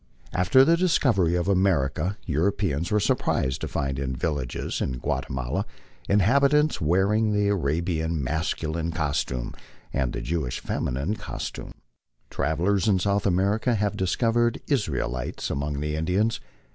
After the dis covery of America Europeans were surprised to find in villages in Guatemala inhabitants wearing the Arabian masculine costume and the Jewish feminine costume. Travellers in South America have discovered Israelites among the Indians.